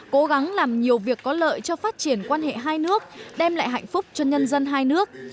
cố gắng làm nhiều việc có lợi cho phát triển quan hệ hai nước đem lại hạnh phúc cho nhân dân hai nước